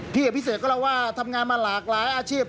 พี่อภิเศษก็เล่าว่าทำงานมาหลากหลายอาชีพ